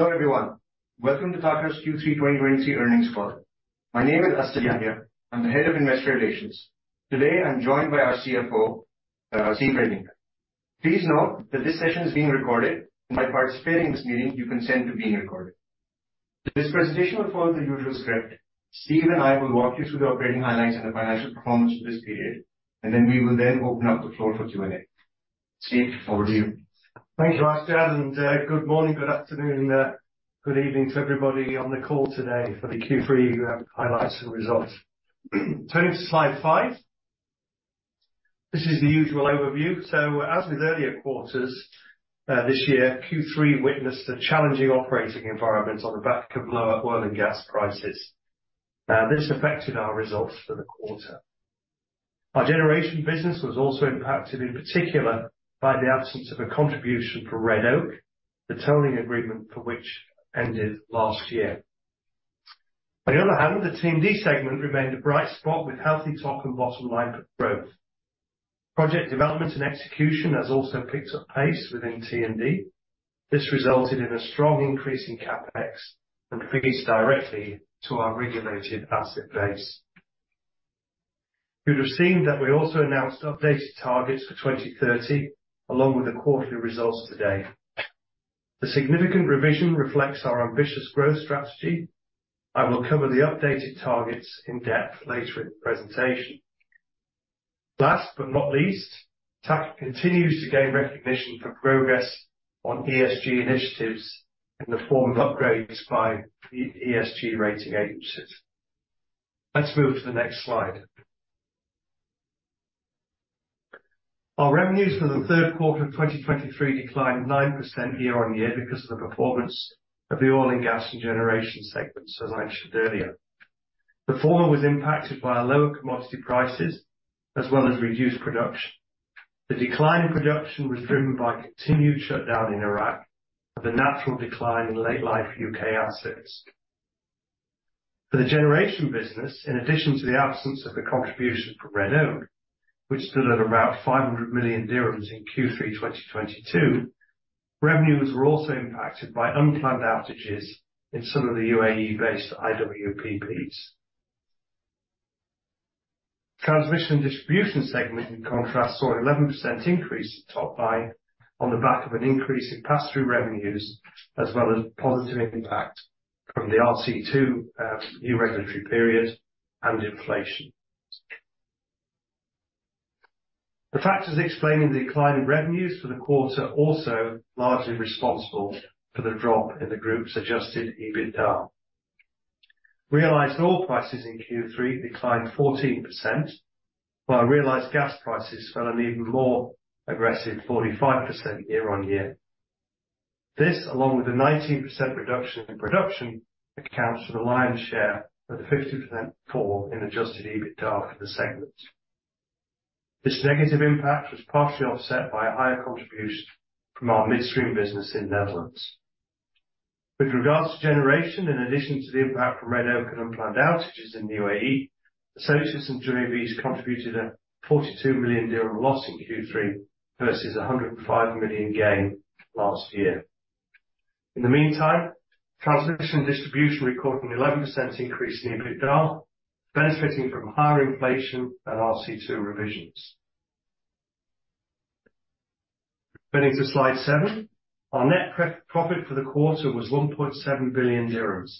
Hello, everyone. Welcome to TAQA's Q3 2023 Earnings Call. My name is Asjad Yahya. I'm the Head of Investor Relations. Today, I'm joined by our CFO, Steve Ridlington. Please note that this session is being recorded, and by participating in this meeting, you consent to being recorded. This presentation will follow the usual script. Steve and I will walk you through the operating highlights and the financial performance for this period, and then we will then open up the floor for Q&A. Steve, over to you. Thank you, Asjad, and good morning, good afternoon, good evening to everybody on the call today for the Q3 highlights and results. Turning to Slide five, this is the usual overview. So as with earlier quarters this year, Q3 witnessed a challenging operating environment on the back of lower oil and gas prices, and this affected our results for the quarter. Our generation business was also impacted, in particular by the absence of a contribution from Red Oak, the tolling agreement for which ended last year. On the other hand, the T&D segment remained a bright spot with healthy top and bottom line growth. Project development and execution has also picked up pace within T&D. This resulted in a strong increase in CapEx and contributes directly to our regulated asset base. You'd have seen that we also announced updated targets for 2030 along with the quarterly results today. The significant revision reflects our ambitious growth strategy, and we'll cover the updated targets in depth later in the presentation. Last but not least, TAQA continues to gain recognition for progress on ESG initiatives in the form of upgrades by the ESG rating agencies. Let's move to the next slide. Our revenues for the third quarter of 2023 declined 9% year-on-year because of the performance of the oil and gas and generation segments, as I mentioned earlier. The former was impacted by lower commodity prices as well as reduced production. The decline in production was driven by continued shutdown in Iraq and the natural decline in late life U.K. assets. For the generation business, in addition to the absence of the contribution from Red Oak, which stood at about 500 million dirhams in Q3 2022, revenues were also impacted by unplanned outages in some of the UAE-based IWPPs. Transmission and Distribution segment, in contrast, saw an 11% increase topped by, on the back of an increase in pass-through revenues as well as positive impact from the RC2 new regulatory period and inflation. The factors explaining the decline in revenues for the quarter are also largely responsible for the drop in the group's Adjusted EBITDA. Realized oil prices in Q3 declined 14%, while realized gas prices fell an even more aggressive 45% year-on-year. This, along with a 19% reduction in production, accounts for the lion's share of the 50% fall in Adjusted EBITDA for the segment. This negative impact was partially offset by a higher contribution from our midstream business in Netherlands. With regards to generation, in addition to the impact from Red Oak and unplanned outages in the UAE, associates and JVs contributed an 42 million loss in Q3 versus an 105 million gain last year. In the meantime, transmission and distribution recording 11% increase in EBITDA, benefiting from higher inflation and RC2 revisions. Turning to slide seven. Our net profit for the quarter was 1.7 billion dirhams,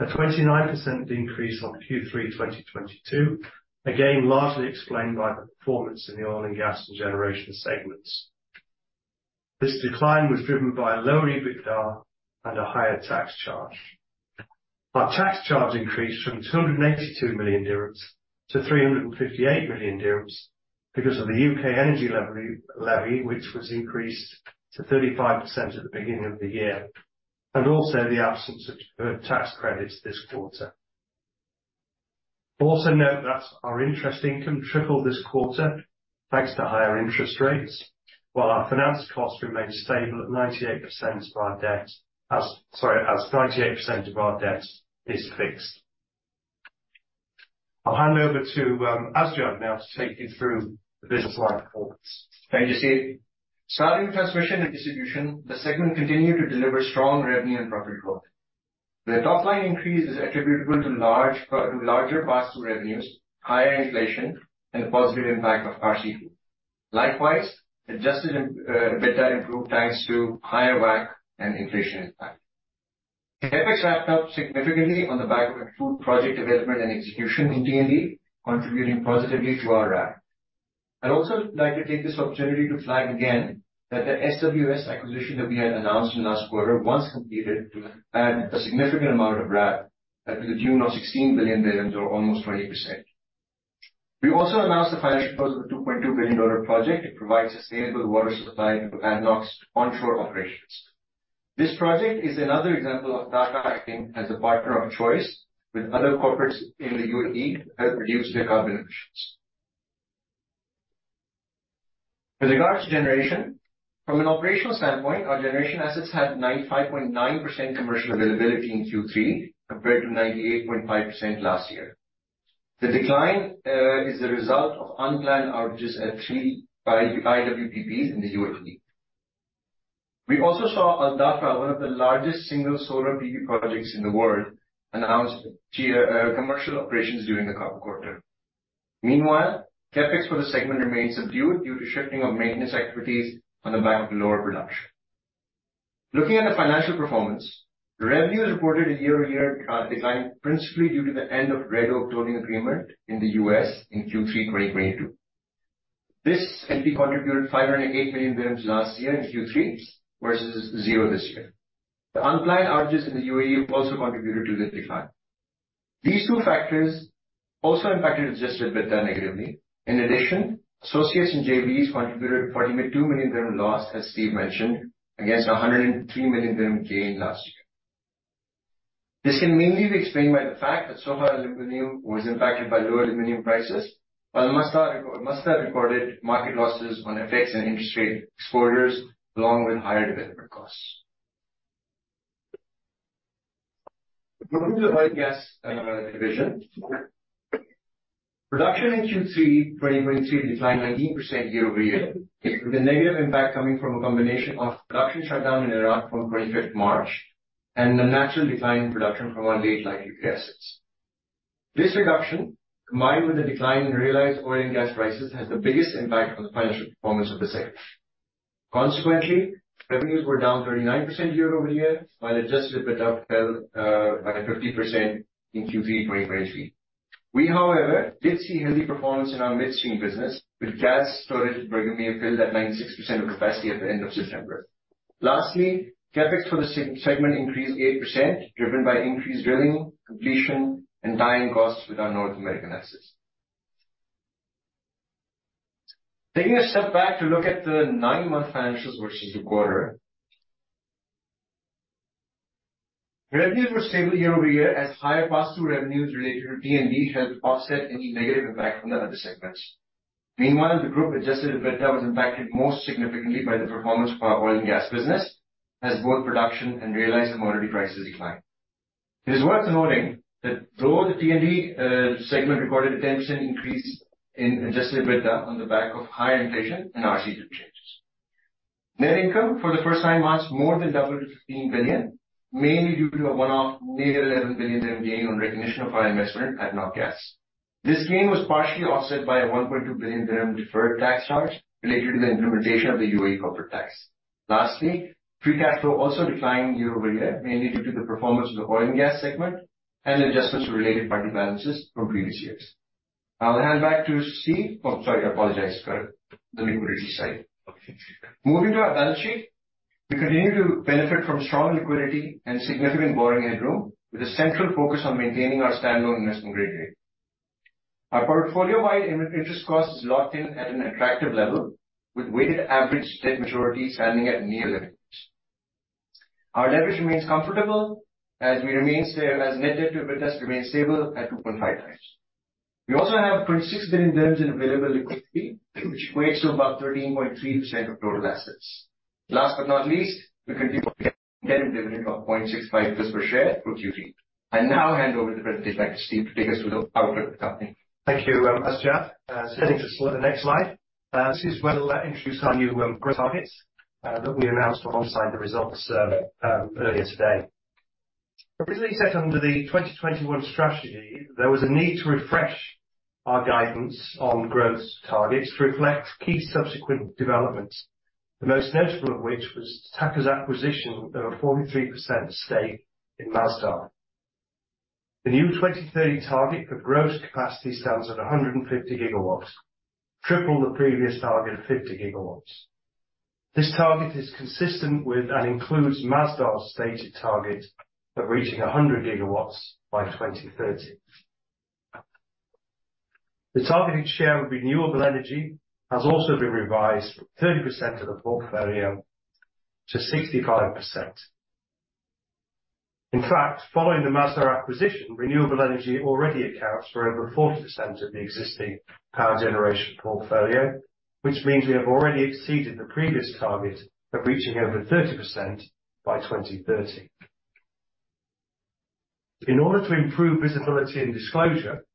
a 29% increase on Q3 2022, again, largely explained by the performance in the oil and gas and generation segments. This decline was driven by a lower EBITDA and a higher tax charge. Our tax charge increased from 282 million dirhams to 358 million dirhams because of the U.K. energy levy, which was increased to 35% at the beginning of the year, and also the absence of deferred tax credits this quarter. Also note that our interest income tripled this quarter, thanks to higher interest rates, while our finance costs remained stable at 98% of our debt as—sorry, as 98% of our debt is fixed. I'll hand over to Asjad now to take you through the business-wide performance. Thank you, Steve. Starting with transmission and distribution, the segment continued to deliver strong revenue and profit growth. The top line increase is attributable to large pro-- larger pass-through revenues, higher inflation, and the positive impact of RC2. Likewise, adjusted EBITDA improved, thanks to higher WACC and inflation impact. CapEx ramped up significantly on the back of improved project development and execution in T&D, contributing positively to our RAB. I'd also like to take this opportunity to flag again that the SWS acquisition that we had announced last quarter, once completed, add a significant amount of RAB to the tune of 16 billion or almost 20%. We also announced the financial close of the $2.2 billion project. It provides sustainable water supply to ADNOC's onshore operations. This project is another example of TAQA acting as a partner of choice with other corporates in the UAE to help reduce their carbon emissions. With regards to generation, from an operational standpoint, our generation assets had 95.9% commercial availability in Q3, compared to 98.5% last year. The decline is a result of unplanned outages at three of our IWPPs in the UAE. We also saw Al Dhafra, one of the largest single solar PV projects in the world, announced commercial operations during the current quarter. Meanwhile, CapEx for the segment remains subdued due to shifting of maintenance activities on the back of lower production. Looking at the financial performance, revenues reported a year-over-year decline, principally due to the end of Red Oak tolling agreement in the U.S. in Q3 2022. This entity contributed 508 million last year in Q3, versus zero this year. The unplanned outages in the UAE also contributed to the decline. These two factors also impacted adjusted EBITDA negatively. In addition, associates and JVs contributed 42 million dirham loss, as Steve mentioned, against a 103 million dirham gain last year. This can mainly be explained by the fact that Sohar Aluminium was impacted by lower aluminium prices, while Masdar recorded market losses on FX and interest rate exposures, along with higher development costs. Moving to the oil and gas division. Production in Q3 2022 declined 19% year-over-year, with the negative impact coming from a combination of production shutdown in Iraq from twenty-fifth March, and the natural decline in production from mature late-life U.K. assets. This reduction, combined with a decline in realized oil and gas prices, has the biggest impact on the financial performance of the segment. Consequently, revenues were down 39% year over year, while Adjusted EBITDA fell by 50% in Q3 2023. We, however, did see healthy performance in our midstream business, with Gas Storage Bergermeer filled at 96% of capacity at the end of September. Lastly, CapEx for the segment increased 8%, driven by increased drilling, completion, and tie-in costs with our North American assets. Taking a step back to look at the nine-month financials versus the quarter. Revenues were stable year over year as higher pass-through revenues related to T&D helped offset any negative impact from the other segments. Meanwhile, the group-adjusted EBITDA was impacted most significantly by the performance of our oil and gas business, as both production and realized commodity prices declined. It is worth noting that though the T&D segment recorded a 10% increase in adjusted EBITDA on the back of higher inflation and RC2 interchanges. Net income, for the first nine months, more than doubled to 15 billion, mainly due to a one-off near AED 11 billion gain on recognition of our investment at ADNOC Gas. This gain was partially offset by a AED 1.2 billion deferred tax charge related to the implementation of the UAE corporate tax. Lastly, free cash flow also declined year-over-year, mainly due to the performance of the oil and gas segment and adjustments related to balances from previous years. I'll hand back to Steve. Oh, sorry, I apologize, for the liquidity side. Moving to our balance sheet, we continue to benefit from strong liquidity and significant borrowing headroom, with a central focus on maintaining our standalone investment grade rating. Our portfolio-wide interest cost is locked in at an attractive level, with weighted average debt maturity standing at near 11 years. Our leverage remains comfortable as net debt to EBITDA remains stable at 2.5 times. We also have 26 billion dirhams in available liquidity, which equates to about 13.3% of total assets. Last but not least, we continue with a dividend of 0.65 fils per share for Q3. I now hand over the presentation back to Steve, to take us through the outlook of the company. Thank you, Asjad. Heading to the next slide, this is where we'll introduce our new growth targets that we announced alongside the results earlier today. Originally set under the 2021 strategy, there was a need to refresh our guidance on growth targets to reflect key subsequent developments, the most notable of which was TAQA's acquisition of a 43% stake in Masdar. The new 2030 target for gross capacity stands at 150 gigawatts, triple the previous target of 50 gigawatts. This target is consistent with, and includes, Masdar's stated target of reaching 100 gigawatts by 2030. The targeted share of renewable energy has also been revised from 30% of the portfolio to 65%. In fact, following the Masdar acquisition, renewable energy already accounts for over 40% of the existing power generation portfolio, which means we have already exceeded the previous target of reaching over 30% by 2030. In order to improve visibility and disclosure,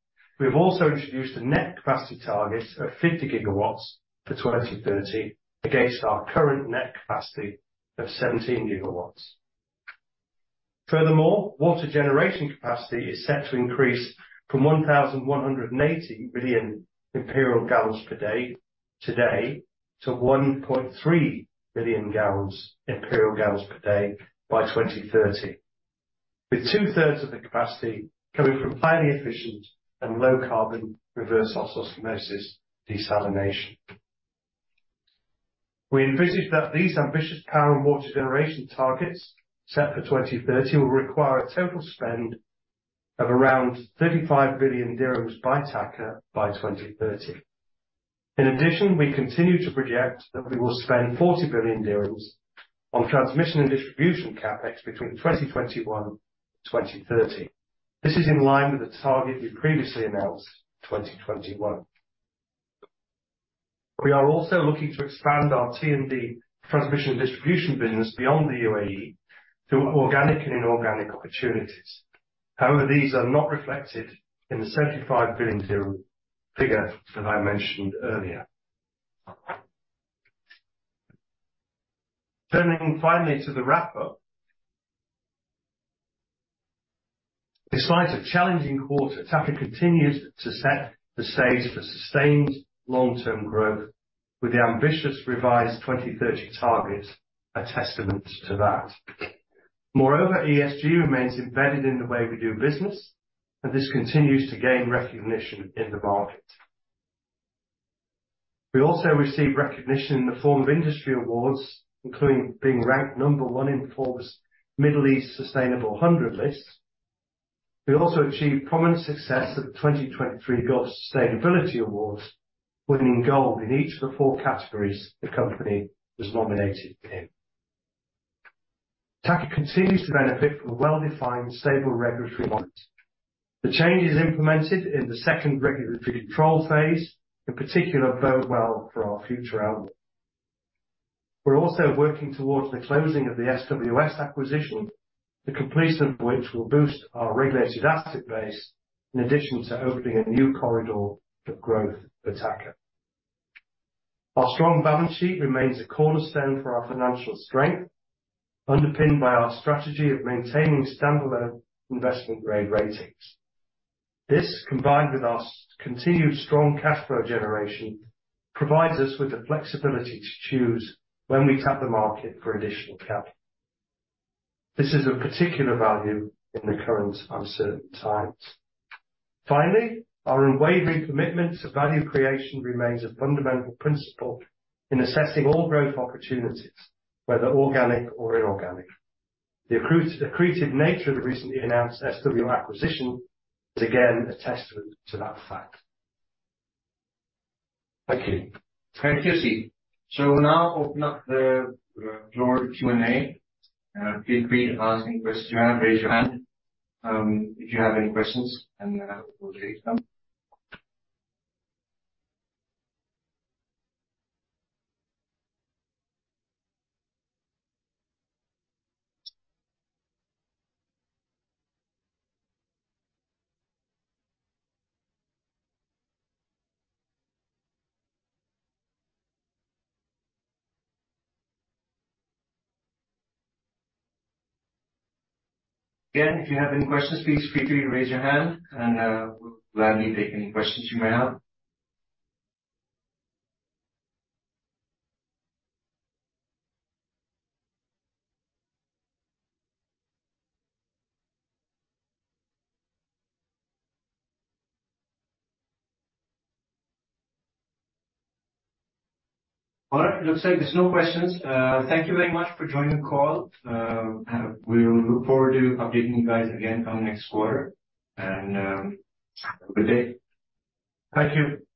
we have also introduced a net capacity target of 50 gigawatts for 2030, against our current net capacity of 17 gigawatts. Furthermore, water generation capacity is set to increase from 1,180 million imperial gallons per day, today, to 1.3 billion gallons, imperial gallons per day by 2030, with two-thirds of the capacity coming from highly efficient and low-carbon reverse osmosis desalination. We envisage that these ambitious power and water generation targets, set for 2030, will require a total spend of around 35 billion dirhams by TAQA by 2030. In addition, we continue to project that we will spend 40 billion dirhams on transmission and distribution CapEx between 2021 and 2030. This is in line with the target we previously announced in 2021. We are also looking to expand our T&D transmission and distribution business beyond the UAE through organic and inorganic opportunities. However, these are not reflected in the 75 billion figure that I mentioned earlier. Turning finally to the wrap-up. Despite a challenging quarter, TAQA continues to set the stage for sustained long-term growth, with the ambitious revised 2030 targets a testament to that. Moreover, ESG remains embedded in the way we do business, and this continues to gain recognition in the market. We also received recognition in the form of industry awards, including being ranked number one in Forbes Middle East Sustainable 100 list. We also achieved prominent success at the 2023 Gulf Sustainability Awards, winning gold in each of the four categories the company was nominated in. TAQA continues to benefit from a well-defined stable regulatory environment. The changes implemented in the second regulatory control phase, in particular, bode well for our future outlook. We're also working towards the closing of the SWS acquisition, the completion of which will boost our regulated asset base, in addition to opening a new corridor for growth for TAQA. Our strong balance sheet remains a cornerstone for our financial strength, underpinned by our strategy of maintaining standalone investment-grade ratings. This, combined with our continued strong cash flow generation, provides us with the flexibility to choose when we tap the market for additional capital. This is of particular value in the current uncertain times. Finally, our unwavering commitment to value creation remains a fundamental principle in assessing all growth opportunities, whether organic or inorganic. The accretive nature of the recently announced SWS acquisition is again a testament to that fact. Thank you. Thank you, Steve. So we'll now open up the floor to Q&A. Feel free to ask any questions you have. Raise your hand if you have any questions, and we'll take them. Again, if you have any questions, please feel free to raise your hand, and we'll gladly take any questions you may have. All right. It looks like there's no questions. Thank you very much for joining the call. And we look forward to updating you guys again come next quarter, and have a good day. Thank you. Yeah.